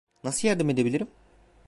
Nasıl yardım edebilirim?